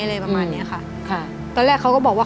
อะไรประมาณเนี้ยค่ะค่ะตอนแรกเขาก็บอกว่า